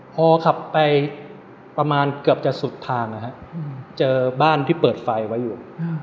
พอขับไปประมาณเกือบจะสุดทางนะครับเจอบ้านที่เปิดไฟไว้อยู่